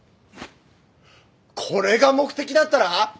これが目的だったな！？